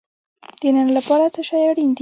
د نن لپاره څه شی اړین دی؟